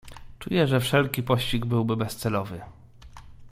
"Czuję, że wszelki pościg byłby bezcelowy."